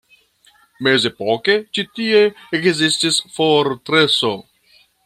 Mezepoke ĉi tie ekzistis fortreso.